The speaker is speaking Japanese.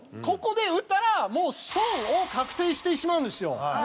ここで売ったらもう損を確定してしまうんですよ。